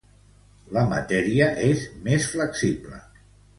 La matèria és més flexible.